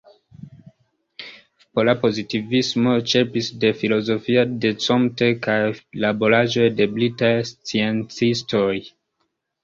Pola pozitivismo ĉerpis de filozofio de Comte kaj de laboraĵoj de britaj sciencistoj.